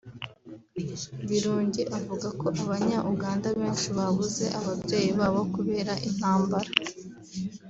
Birungi avuga ko Abanya-Uganda benshi babuze ababyeyi babo kubera intambara